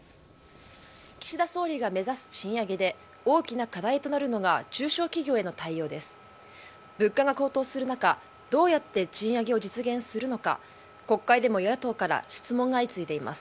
岸田総理が目指す賃上げで大きな課題となるのが中小企業への対応です。